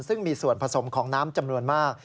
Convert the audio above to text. ซึ่งมีส่วนผสมของน้ำจำนวนมาก